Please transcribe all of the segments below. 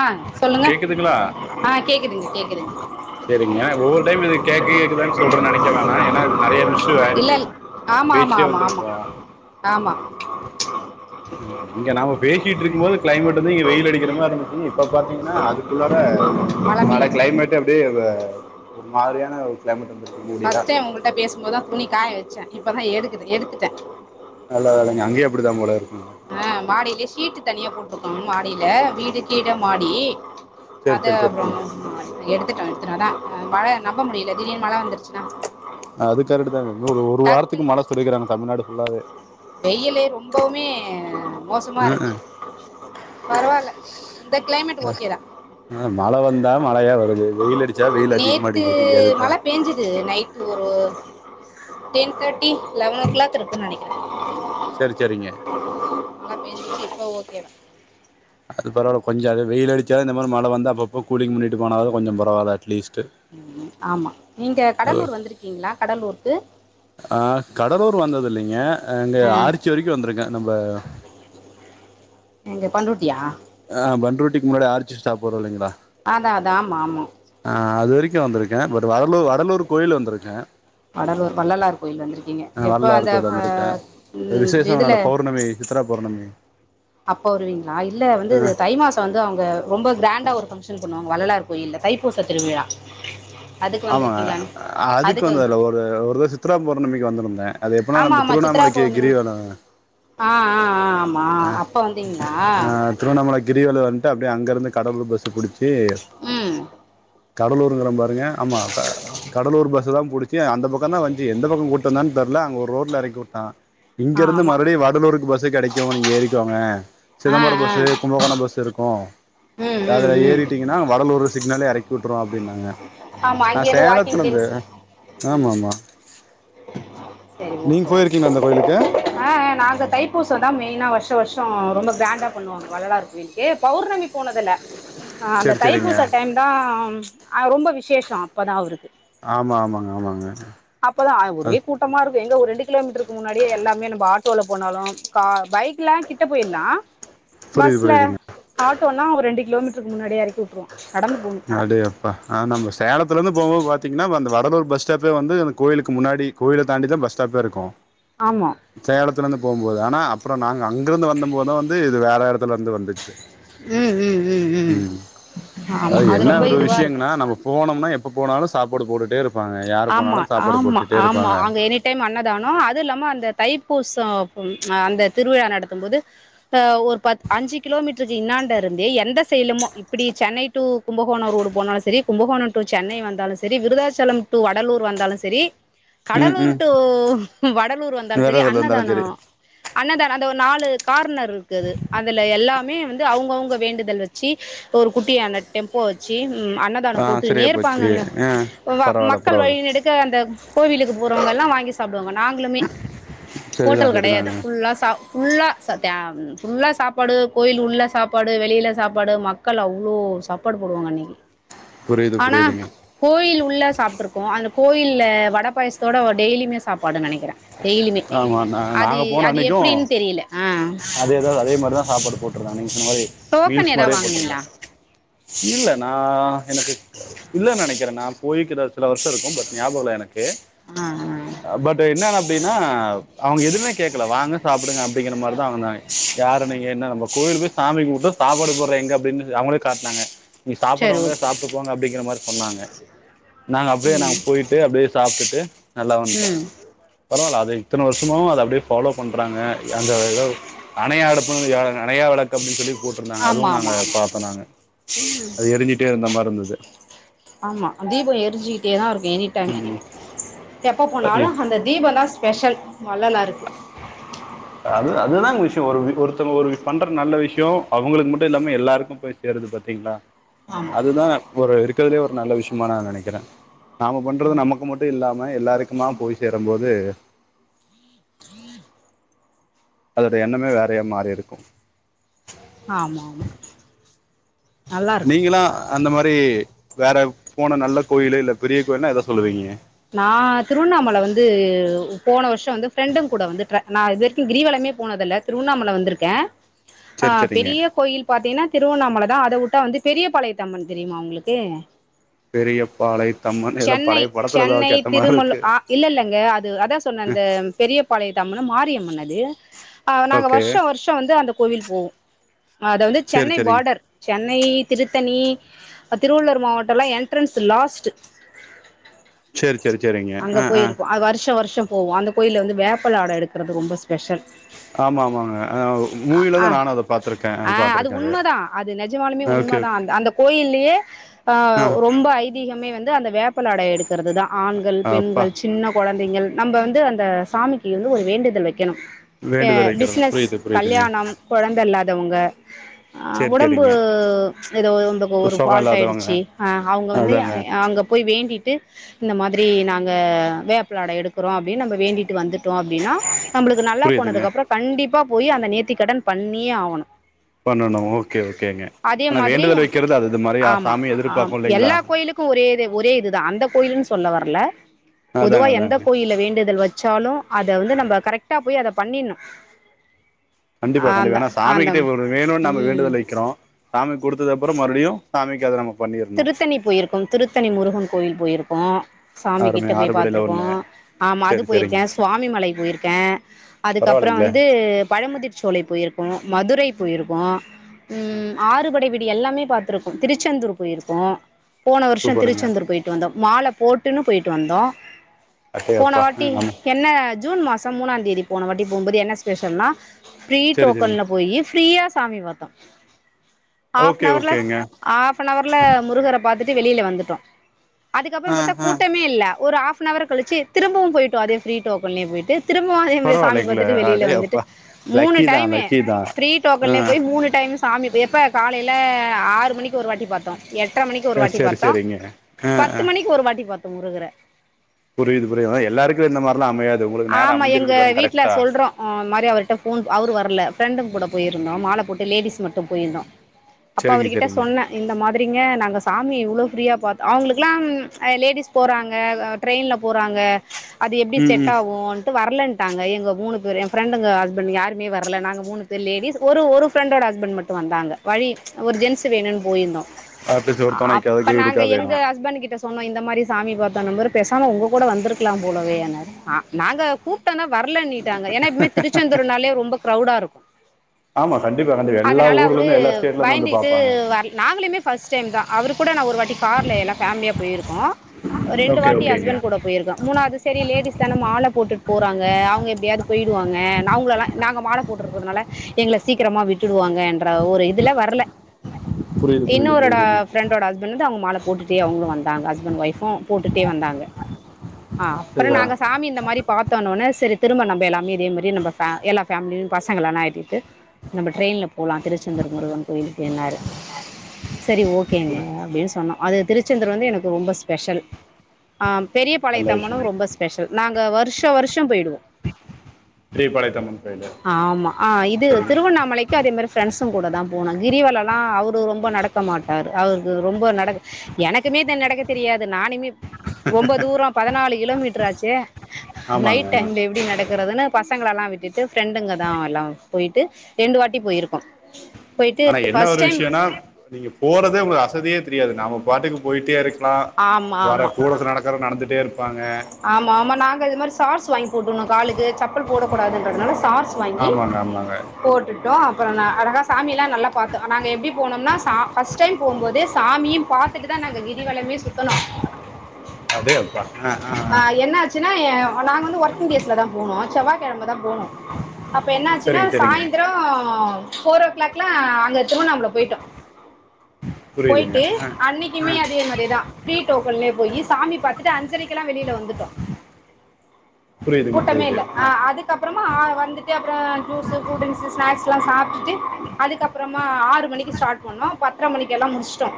ஆ சொல்லுங்க கேக்குதுங்களா ஆ கேக்குதுங்க கேக்குதுங்க சேரிங்க ஒவ்வொரு டைம் இது கேக்கு கேக்குதான் சொல்ற நெனைக்க வேணா ஏன்னா இது நெறைய மிஷ்யூ இல்ல ஆயிருக்கு இல் ஆமா ஆமா பேசிட்டே ஆமா ஆமா வந்திருப்போம் ஆமா இங்க நாம பேசிட்ருக்கு போது க்ளைமேட் வந்து இங்க வெயில் அடிக்கிற மா [unintelligible] இப்ப பாதீங்கனா அதுக்குள்ளார மழ க்ளைமேட் அப்டியே இப்ப ஒரு மாரியான ஒரு க்ளைமேட் வந்து சத்தே உங்கள்ட்ட பேசும்போதா துணி காயவெச்சே இப்பதா எடுக்து எடுத்துட்ட நல்லா வேலைங்க அங்யோ அப்டிதா போலருக்கு ஆ மாடிலியே ஷீட்டு தனியா போட்ருக்கோ மாடில வீடு கீட மாடி சரி அத சரி சரிங்க அப்றமா சும்மா இத எடுத் திட்டோ எட்த்திட்டோ அதா மழ நம்ப முடியல திடீன் மழை வந்துர்ச்சுனா அது காரெட்டுதாங்க இன்னு ஒரு வாரத்துக்கு டக்குன்னு மழை சொல்லிக்குறாங்க தமிழ்நாடு ஃபுல்லாவே ஏ மோசமா இருக்கு பரவால்ல இந்த க்ளைமேட்டு ஓகேதா மழ வந்தா மழையா வருது வெயில் அடிச்சா வெயில் அதிகமா நேத்து அடிக்குது மழ அதுதான் பேஞ்சுது நைட் ஒரு ten thirty eleven o'clock இருக்குன் நெனக்கிற செரி சேரிங்க நல்லா பேஞ்சுச்சு இப்ப ஓகேதா அது பரவால்ல கொஞ்ச அது வெயில் அடிச்சாலு இந்த மாரி மழவந்து அப்ப அப்ப கூலிங் பண்ணிட்டு போனாலாது கொஞ்ச பரவால்ல அட்லீஸ்ட்டு ஆமா நீங்க அது கடலூர் வந்துருக்கீங்ளா கடலூர்க்கு அ கடலூர் வந்தது இல்லிங்க அங்க ஆ ஆரிச்சி வரக்கு வந்துருக்க நம்ப எங்க பண்ரூட்டியா அ பண்ரூட்டிக் முன்னாடி ஆரிச்சி ஸ்டாப்பு வரு இல்லைங்ளா அதா அதா ஆமா ஆமா அ அது வரக்கு வந்துக்க பட் வடலூ வடலூர் கோயில் வந்துருக்கே வடலூர் வள்ளலார் கோயில் வந்துருக்கீங்க எப்ப வள்ளலார் அந்த கோயில் ஃப வந்திருக்கே ம் விசேஷம் எதுல நட பௌர்ணமி சித்ரா பவுர்ணமி அப்ப வருவீங்ளா இல்ல வந்துது தை மாஸ் த வந்து அவுங்க ரொம்ப கிராண்டா ஒரு ஃபங்ஷன் பண்ணுவாங்க வள்ளலார் கோயில்ல தைப்பூச திருவிழா அதுக்கு ஆமாங்க வந்திருக்கீங்களான்னு அதுக்கு வந்ததுல்ல ஒர் ஒருத சித்ரா பௌர்ணமிக்கு வந்துருந்தே அது எப்பனா நம்ப திருவண்ணாமலைக்கு கிரிவளோ அ அ அ ஆமா அப்ப வந்தீங்ளா திருவண்ணாமல கிரிவல வந்ட்டு அப்டே அங்கருந்து கடலூர் பஸ்ஸு புடுச்சு ம் கடலூருங்குற பாருங்க ஆமா கடலூர் பஸ்ஸ தா புடுச் சு அந்த பக்க தா வந்சு எந்த பக்க கூட்டு வாந்தா தெர்ல அங்க ஒரு ரோட்ல எறக்கி உட்டா இங்கருந்து ஆமா மறுவ்டி வடலூருக்கு பஸ்ஸு கெடக் அ நீங்க ஏறிக்கோங்க ஆ சிதம்பர ஆ பஸ்ஸு கும்பகோணோ பஸ்ஸு இருக்கு ம் ம் அதுல ம் ஏறிட்டி கிங்கனா வடலூரு சிக்னலே எறக் கூட்ரோ அப்டின்னாங்க ஆமா அ அங்கேருந்து வாக்கிங் சேலத்துலந்து டென்ஸ் ஆமா ம் ஆமா நீங் போயிருக்கீங்ளா அந்த கோய்லுக்கு அ அ நாங்க தைப்பூசதா மெயினா வர்ஷ வர்ஷோ ரொம்ப கிராண்டா பண்ணுவாங்க வள்ளலார் கோய்லு ஏ பௌர்ணமி போனதுல்ல அ அந்த செரி செரிங்க தைப்பூச டைம் தா அ ரொம்ப விசேஷா அப்பதா அவ்ருக்கு ஆமா ஆமாங்க ஆமாங்க அப்பதா அ அது ஒரே கூட் டமாருக்கு எங்க ஒரு ரெண்டு கிலோமீட்ருக்கு முன்னாடியே எல்லாமே நம்ப ஆட்டோல போனாலு கா பைக்லா கிட்ட போயில்லா புரியுது பஸ்ல புரியுதுங்க ஆட்டோனா ஒரு ரெண்டு கிலோமீட்ருக் முன்னாடே எறக்கி உட்ருவா நடந்து போணு அடே அப்பா அ நம்ப சேலத்துலேந்து போம்போது பாத்தீங்னா அப்ப அந்த வடலூர் பஸ் ஸ்டாப்பே வந்து அந்த கோயிலுக்கு முன்னாடி கோயில தாண்டிதா பஸ் ஸ்டாப்பே இருக்கு ஆமா சேலத்துலேந்து போம்போது அனா அப்ரோ நாங்க அங்கிருந்து வந்த மோத்தா வந்து இது வேற எடத்துலருந்து வந்துச்சு ம் ம் ம் ம் ஆமா அதாது அது என்ன ரொம்ப ஒரு இதுவா இருக்கு விஷ்யங்னா நம்ம போனம்னா எப்ப போனாலு சாப்பாடு போட்டுட்டேருப் பாங்க யாரு போனாலு சாப்பாடு போட்டுட்டே இருப்பாங்க டேம் அண்ணதானோ அது இல்லாம அந்த தைப்பூசோ அந்த திருவிழா நடத்தும்போது த ஒரு பத் அஞ்சு கிலோமீட்ருக்கு இன்னாண்ட இருந்தே எந்த செய்லுமோ இப்புடி சென்னை டூ கும்பகோண ரோடு போனாலு செரி கும்பகோணா டூ சென்னை வந்தாலு செரி விருதாச்சலம் டூ வடலூர் வந்தாலு செரி ம் கடலூர் ம் டூ வடலூர் வந்தாலு வேற செரி எதுல இருந்தாலு அன்னதானோ செரி அன்னதானோ அந்த ஒர் நாலு கார்னர் இருக்கு அது அதுல எல்லாமே வந்து அவுங்கவுங்க வேண்டுதல் வச்சி ஒரு குட்டியான டெம்போ வச்சு அன்னதானோ ஆ சரியா போட்டுனே போச்சு இர்ப்பாங்கங்க ஆ வா பரவால்ல மக் கள் பரவால்ல வழி நெடுக்க அந்த கோவிலுக்கு போறவங்வுக் எல்லா வாங்கி சாப்டுவாங்க நாங்ளுமே சரிதா ஹோட்டல் கடையாது சரிதாங்க ஃபுல்லா சாவ் ஃபுல்லா சத்யாம் ஃபுல்லா சாப்பாடு கோயில் உள்ள சாப்பாடு வெளில சாப்பாடு மக் கள் அவ்ளோ சாப்பாடு போடுவாங்க அன்னைக்கி புரியுது ஆனா புரியுதுங்க கோயில் உள்ள சாப்ட்ரு கோ அந்த கோயில்ல வட பாயஸ்த்தோட டெய்லியுமே சாப்பாடு நனக்கிற டெய்லிமே ஆமா நா அது அது எப்புடின் தெரியில அது எதாவ்து அதே மாரிதா சாப்பாடு போட்ருந்தாங்க நீங் சொன்ன மாரி டோக்கன் மீல்ஸ் எதா மாரியே வாங்குனீங்களா போட்ருந்தாங் இல்ல நா எனக்கு இல்ல நெனக்கிற நா போய்க்குத சில வர்ஷ இருக்கு பட் ஞாபக்ல்ல எனக்கு ஆ ஆ பட் என்னன் அப்டினா அவங்க எதுமே கேக்கல வாங்க சாப்புடுங்க அப்டிங்கிற மாரு தா அவுங் தாங்க யாரு நீங்க என்ன நம்ப கோயலு போய் சாமி கும்முட்டோ சாப்பாடு போட்ற எங்க அப்டின் அவங்களே காட்னாங்க நீங்க சரி சாப்புற்றவுங்க ஓகே சாப்ட்டு போங்க அப்டிங்கிற மாரி சொன்னாங்க நாங்க அப்டே ம் நாங்க போயிட்டு அப்டே சாப்ட்டுட்டு நல்லா வந்துட்ட ம் பரவால்ல அத இத்தன வர்ஷமு அத அப்டே ஃபாலோ பண்றாங்க எங்கவ் எதோ யா அடுப்புங்கு யாழு நனயா விளக்கு அப்டின் சொல்லி போட்ருந்தாங்க ஆமா அதுவு நாங்க ஆமா ஆமா பாத்தோ நாங்க அது எரிஞ்சிட் டே இருந்த மார்ருந்துது ஆமா தீபொ எரிஞ்சுக்கிட்டேதா இருக்கு எனி டேன் எப்போ போனாலு ம் அந்த தீபொந்தா ஸ்பெஷல் வள்ளலாருக்கு அது அதுதாங் விஷ்யோ ஒருவி ஒருத்தங்க ஒருவி பண்ற நல்ல விஷ்யோ அவுங்களுக்கு மட்டு இல்லாம எல்லாருக்கு போய் தேருது பாத்தீங்ளா ஆமா அதுதா ஒரு இருக்கற்துலே ஒரு நல்ல விஷிமா நா நனக்கிற நாம பண்றது ம் நமக்கு மட்டு இல்லாம எல்லாருக்குமா போய் சேரம்போது அதோட எண்ணமே வேறைய மாறிருக்கு ஆமா ஆமா நல்லாருக்கு நீங்குளா அந்த மாரி வேறு போன நல்ல கோயில இல்ல பெரிய கோயில்னா எத சொல்லுவீங்க நா திருவண்ணாமல வந்து போன வர்ஷ வந்து ஃப்ரெண்டுங் கூட வந்து ட்ர நா இது வரிக்கு கிரிவலமே போனதுல்ல திருவண்ணாமல வந்திருக்க ஆ சரி சரிங்க பெரிய கோயில் பாத்தீங்ன்னா திருவண்ணாமல தா அத உட்டா வந்து பெரிய பாளயத்தம்மன் தெரியுமா உங்ளுக்கு பெரிய பாலை தம்மன் இல்ல சென்னை பழைய பட சென்னை திருமள்ளு அ இல்லல்லங்க அது அதா சொன்ன இந்த பெரியப்பாளயத்தம்மன் மாரியம்மன் அது ஆவ் நாங்க ஓகே வர்ஷ வர்ஷ வந்து அந்த கோவில் போவோ அத வந்து சரி சென்னை சரி பாடர் சென்னை திருத்தணி அ திருவள்ளூர் மாவட்டல்லா என்ட்ரன்ஸ் லாஸ்ட்டு சரி சரி சரிங்க அங்க ஆ ஆ போயிருக்கு அ வர்ஷ வர்ஷம் ஓவ் அந்த கோயில்ல வந்து வேப்பல ஆட எடுக்குறது ரொம்ப ஸ்பெஷல் ஆம் ஆமாங்க அவ் ஆ மூவிலதா நானு அத பாத்துருக்கே ஆ அது பாத்துருக்க அது உண்மதா அது நெஜமானாலுமே ஓகே ஓகே உண்மதா அந்த அந்த கோயில்லியே அ ஆ ரொம்ப ஐ தீகமே வந்து அந்த வேப்பல ஆட எடுக்குறதுதா ஆண்கள் அப்பா பெண்கள் சின்ன கொழந்தைங்கள் நம்ப வந்து அந்த சாமிக்கி வந்து ஒரு வேண்டுதல் வக்கணு ஏ வேண்டுதல் வைக்கிறது பிஸ்னஸ் புரியுது புரியுதுங்க கல்யாணம் கொழந்த இல்லாதவுங்க அ சேரி உடம்பு சேரிங்க எதோ ஒரு இந்தகு ஒரு சுகம் ஃபால்ட் இல்லாதவங்க ஆயிடுச்சு அ அவுங்க வந்து அதாங்க அங்க போய் வேண்டிட்டு இந்த மாரி நாங்க வேப்பலாடவ் எடுக்கிறோ அப்டின்னு நம்ம வேண்டிட்டு வந்துட்டோ அப்டின்னா நம்மளுக்கு நல்லா புரியுதுங்க போனதுக்குப்புற கண்டிப்பா போய் அந்த நேத்திக்க கடன் பண்ணியே ஆகணு பண்ணனு ஓகே ஓகேங்க ஆனா மாதிரி வேண்டுதல் வைக்கிறது சாமி அது இது மாரி ஆமா சாிய ஆமா எதிர்பார்க்கோ இல்லேங்களா எல்லா கோயிலுக்கு ஒரே ஒரே இதுதா அந்த கோயிலன்னு சொல்ல வரல பொதுவா அதாங்க எந்த அதாங்க கோயில வேண்டுதல் வச்சாலும் அத வந்து நம்ம கரெக்டா போய் அதை பண்ணிடணு கண்டிப்பா கண்டிப்பா ஏனா சா அந்த கிட்ட ஒரு வேணும்னு நம்ம ம் வேண்டுதல வைக்கிறோ சாமி கொடுத்ததுப்புற மறுபடியு சாமி க அ அத நம திருத்தணி போயிருக்கோ திருத்தணி முருகன் கோய போயிருக்கோ சாமி அருமை கிட்ட போய் ஆறுபடையில பாத்திருக்கோ ஒண்ணு ஆமா அது சேரி சேரிங்க போயிருக்கே சுவாமி மலை போயிருக்கே அது அப்ற பரவாயில்லைங்களே வந்து பழமுதிர்சோலை சோலை போயிருக்கோ மதுரை போயிருக்கோ ம் ஆறுபடை விட்டு இப்டி எல்லாமே பாத்திருக்கோ திருச்செந்தூர் போய் இருக்கோபோன வருஷம் சூப்பருங்க திருச்செந்தூர் போயிட்டு வந்தோ மாலை போட்டுன்னு போயிட்டு வந்தோ அட்டே போன அப்பா வாட்டி நம்ம என்ன ஜூன் மாச மூணாம் தேதி போன வாட்டி போகுபோது என்ன ஸ்பெஷல்னா ஃப்ரீ சேரி சேரிங்க டோக்கன்ல போயி ஃப்ரீயா சாமி பாத்தோ ஓகே ஹாப்ன்வர்ல ஓகேங்க ஹாப் அன் அவர்ல முருகரை பாத்துட்டு வெளியில வந்துட்டோ அதுக்கப்புற ஆ பத்தா ஆ கூட்டேமே இல்ல ஒரு ஹாப் அன் ஹவர் கழிச்சு திரும்பவு போயிட்டோ அதே ஃப்ரீ டோக்கன்லே போயிட்டு திரும்பவும் அதே மாரி சாமி பரவாயில்லைங்களே பாத்துட்டு வெளியில அடே வந்துட்டு அப்பா மூணு லக்கி தா டைம்மு லக்கி தா ஃப்ரீ ஆ டோக்கன்லயே போய் மூணு டைம் சா சாமி எப்போ காலையி ஆறு மணிக்கு ஒரு வாட்டி பாத்தோ எட்டரை மணிக்கு ஒரு வாட்டி செரி பாத்தோ செரிங்க ஆ பத்து ஆ மணிக்கு ஒரு வாட்டி பாத்தோ முருகர புரியுது புரியுதா எல்லாருக்கு இந்த மாரிலா அமையாது உங்க நேரம் அமஞ்சுருக்கு பாரு கரெக்டா ஆ இது மாரி அவர்கிட்ட ஃபோன் அவரு வரல ஃப்ரெண்டும கூடபோயிருந்தோ மாலை போட்டு லேடிஸ் மட்டு போயிருந்தோ அப்ப அவர் செரிங்க கிட்ட செரிங்க சொன்ன இந்த மாரிங்க நாங்க சாமி இவ்வளோ ஃப்ரீயா பார்த்தோ அவங்களுக்குலாமலேடிஸ் போறாங்க ட்ரெயின்ல போறாங்க அது எப்படி ம் செட் ம் அவுங்கட்டு வர்லன்டாங்க எங்க மூணு பேர் எங்க ஃபிரண்டுங்க ஹஸ்பண்டுங்க யாருமே வரல நாங்க மூணு பேர் லேடிஸ் ஒரு ஒரு ஃப்ரெண்டோட ஹஸ்பண்ட் மட்டு வந்தாங்க வழி ஒரு ஜென்ஸ் வேணும்னு போயிருந்தோ ஆர்டிஸ்ட் ஒரு தொணைக்காக அப்ப நாங்க கைடுக்கா எங்க வேணு ஹஸ்பண்ட கிட்ட சொல்லி சொன்னோ இந்த மாதிரி சாமி பாத்தன மாரி பேசாம உங்க கூட வந்திருக்கலா போலவே இன்னாறு நாங்க கூப்டந்தா வரலநீட்டாங்க ஏன்னா எப்பவுமே திருச்செந்தூர்னாலயே ரொம்ப கிரவுடா இருக்கு ஆமா கண்டிப்பா கண்டிப்பா எல்லா அதனால ஊர்ல அவரு இருந்து எல்லா ஸ்டேட்ல இருந்து வந்து பயந்துகிட்டு பாப்பாங்க வரல நாங்களுமே பர்ஸ்ட் டைதா அவரு கூட நா ஒரு வாட்டி கார்ல எல்லா பேமிலியா போயிருக்கோ ரெண்டு ஓகே வாட்டி ஓகேங்க ஹஸ்பண்ட் கூட போயிருக்கோ மூணாவது சேரி லேடிஸ் த்தான மாலை போட்டுட்டு போறாங்க அவங்க எப்படியாவது போயிடுவாங்க நா அவங்களளா எல்லா நாங்க மாலை போட்டுருக்கறதுனால எங்களை சீக்கிரமா விட்டுவாங்க என்ற ஒரு இதுல வரல புரியுது புரியுது இன்னோரட புரியுதுங்க ஃப்ரெண்டோட ஹெஸ்பண்ட் வந்து அவங்க மாலை போட்டுட்டே அவுங்கலும் வந்தாங்க ஹஸ்பண்ட் ஒய்ஃபும் போட்டுகிட்டே வந்தாங்க ஆ அப்புற சரியா நாங்க காமி இந்த மாரி பாத்தோ இன்ன உடனே செரி திரும்ப நம்ப எல்லாமே இதே மாதிரி நம்ப எல்லா ஃபேமிலியு பசங்கள எல்லா இட்டுகிட்டு நம்ம ட்ரெயின்ல போலா திருச்செந்தூர் முருகன் கோயிலுக்கு இன்னாரு சரி ஓகேங்க அப்படின்னு சொன்னோ அது திருச்செந்தூர் வந்து எனக்கு ரொம்ப ஸ்பெஷல் ஆ நல்ல பெரியபாளையத்தம்மனும் விஷயங்க ரொம்ப ஸ்பெஷல் நாங்க வருஷம் வருஷம் போயிடுவோ ஸ்ரீபாளையத்தம்மன் கோயிலு ஆமா ஆ இது செரிங்க திருவண்ணாமலைக்கு க்காடு இது மாரி ஃப்ரெண்ட்ஸு கூட தா போனோ கிரிவலலா அவர் ரொம்ப நடக்க மாட்டார் அவருக்கு ரொம்ப நடக்க எனக்குமே தா நடக்க தெரியாது நானுமே ரொம்ப தூர பதனாலு கிலோமீட்ரு ஆச்சே நைட் ஆமாங்க ஆமா. டைம்ல எப்டி நடக்கறதுன்னு பசங்களலா விட்டுட்டு ஃப்ரெண்டுங்க தா எல்லா பொயிட்டு ரெண்டு வாட்டி பொயிர்க்கோ பொயிட்டு ஆனா என்ன ஃபர்ஸ்ட் ஒரு டைம் விஷயம்னா நீங்க போறதே ஒங்ளுக்கு அசதியே தெரியாது நாம பாட்டுக்கு பொயிட்டே இருக்கலா ஆமா வர ஆமா கூட நட க்ற நடந்திட்டே இருப்பாங்க ஆமா ஆமா நாங்க இது மாரி சாக்ஸ் வாங்கி போட்டுகினோ காலு இது செப்பல் போடக் கூடாதுன்றதுனால சாக்ஸ் வாங்கி ஆமாங்க ஆமாங்க போட்டுட் டு தா அப்றோ நா அழகா சாமி எல்லாம் நல்லா பாத்தோ நாங்க எப்டிபோனம்னா சா ஃபர்ஸ்ட் டைம் போம்போதே சாமியு பாத் துட்டு தா நாங்க கிரி வலமே சுத்துணோ அடே அப்பா அ அ ஆ என்ன ஆச்சுன்னா நாங்க வந்து ஒர்க்கிங் டேஸ்ல தா போனோ செவ்வாகெழமதா போனோ அப்ப என்ன ஆச்சுன்னா சரிங்க சரிங்க சாய்ந்ரோ ஃபோரோ ஓ கிளாக்லா அங்க திருவண்ணாமல பொயிட்டோ புரியுதுங்க பொயிட்டு ஆ அன்னிக்குமே ஆ அதே மாரிதா ஃப்ரி டோக்கன்லே போயி சாமி பாத்துட்டு அஞ்சரைக்லா வெளியில வந்துட்டோ புரியுதுங்க கூட்டமே புரியுது இல்ல ஆ அதுக்கப்றமா வந்துட்டு அப்றோ ஜூஸு கூல்ரிங்ஸு ஸ்நாக்ஸ்லா சாப்டுட்டு அதுக்கப்றமா ஆறு மணிக்கு ஸ்டார்ட் பண்ணோ பத்ர மணிக்கெல்லா முடிச்டோ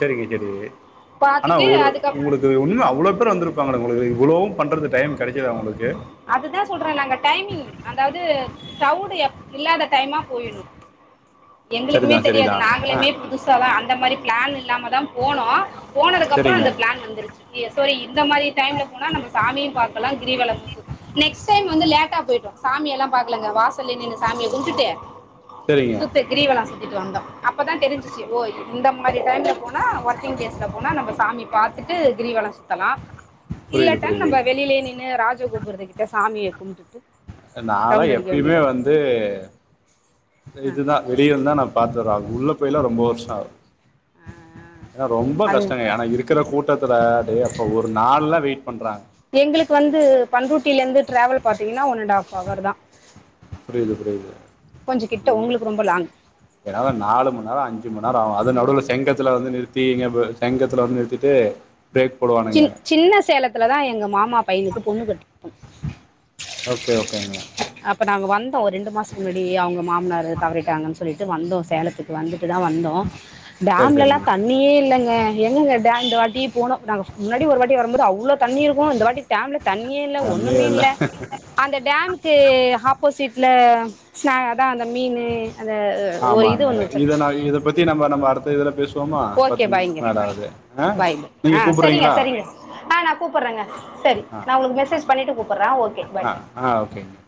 செரிங்க செரிங்க ஆனா பார்த்துட்டு ஒரு அதுக்கப் உங்களுக்கு இன்ன அவ்ள பேர் வந்துருப்பாங்களே உங்களுக்கு இவ்ளவு பண்றதுக் டைம் கெடச்சதா ஒங்ளுக்கு அதுதா சொல்றே நாங்க டைமிங் அதாது கிளவ்டு எப் இல்லாத டைமா பொயிணு எங்ளுக்குமே சரிதா தெரியாது சரிதா ஆ நாங்களுமே புதுசாதா அந்த மாரி பிளான் இல்லாம தா போனோ போனதுக்கு அப்றோ சரிங்க அந்த பிளான் வந்துருச்சி செரி இந்த மாரி டைம்ல போனா நம்ம சாமியு பாக்லா கிரகவலமு சுத் நெக்ஸ்ட் டைம் வந்து லேட்டா பொயிட்டோ சாமியெல்லா பாக்லங்க வாசல்லே நின்னு சாமிய கும்டுட்டு சரிங்க சுத்திட் கிரிவலம் சுத்திட்டு வந்தோ அப்ப தா தெரிஞ்சிச்சி ஓ இந்த மாரி டைம்ல போனா ஒர்க்கிங் டேஸ்ல போனா நம்ம சாமி பாத் துட்டு கிரிவல சுத்தலா புரியுது இல்லாட்டா புரியுது நம்ம வெளியிலே நின்னு ராஜகோபுரத்து கிட்ட சாமிய கும்டுட்டு நாலா எப்பயுமே வந்து ஆ இதுதா வெளிய இருந்துதா நா பாத்து ஆகு உள்ள போய்லா ரொம்ப வர்ஷ ஆகுது ஆ ஏனா ரொம்ப அது கஷ்டங்க ஆனா இருக் கிற கூட்டத்துல அடே அப்போ ஒரு நாள்லா வெயிட் பண்றாங்க எங்ளுக்கு வந்து பண்ரூட்டில இருந்து டிராவல் பாத்தீங்கனா ஒன் அண்ட் ஆஃப் ஹவர் தா புரிது புரிது கிட்ட நீங்க உங்களுக்கு ரொம்ப லாங் [unintelligible] நாலு மண்நேர அஞ்சு மண்நேர ஆகு அது நடுவுல செங்கத்துல வந்து நிற் டீ இங்க ப சங்கத்துல வந்து நிறுத்திட்டு பிரேக் போடுவா சின் சின்ன சேலத்துல தா எங்க மாமா பையனுக்கு பொண்ணு கட்னோ ஓகே ஓகேங்க அப்ப நாங்க வந்தோ ஒரு ரெண்டு மாசத்துக்கு முன்னாடி அவங்க மாமனாரு தவறிட்டாங்கன்னு சொல்லிட்டு வந்தோ சேலத்துக்கு வந்துட்டு தா வந்தோ சரி டேம்லெல்லா சரிங்க தண்ணி தண்ணியே இல்லங்க எங்கெங்க டேம் இந்த வாட்டி போனோ நாங்க முன்னாடி ஒரு வாட்டி வரம்போது அவ்ளோ தண்ணி இருக்கு இந்த வாட்டி டேம்ல தண்ணியே இல்ல கம்மியே ஒண்ணுமே இல்லை இல்ல அந்த டேமுக்கு ஆப்போசிட்ல [unintelligible] அதா அந்த மீனு அந்த ஒரு ஆமாங்க இது ஒன்று இத வச்சுருக்கோம் நா இத பத்தி நம்ப நம்ப அடுத்த இதுல பேசு ஓகே பாய்ங்க பாய்ங்க ஆ நீங்கள் செரிங்க கூப்பிட்றீங்களா செரிங்க ஆ நா கூப்பட்றங்க செரி ஆ நா உங்களுக் மெசேஜ் பண்ணிட்டு கூப்பட்றே ஓகே பாய் ஆ ஆ ஓகேங்க